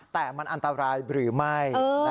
แต่มันอันตรายหรือไม่